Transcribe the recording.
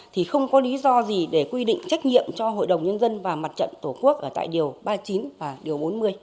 thì không có lý do gì để quy định trách nhiệm cho hội đồng nhân dân và mặt trận tổ quốc ở tại điều ba mươi chín và điều bốn mươi